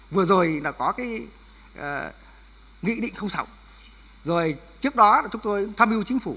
vừa rồi có nghị định không sổng rồi trước đó chúng tôi tham mưu chính phủ